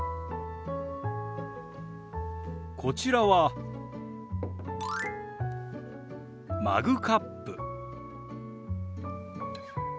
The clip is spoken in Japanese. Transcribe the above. こちらはマグカップ。